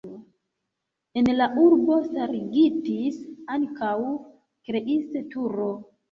En la urbo starigitis ankaŭ Kleist-turo.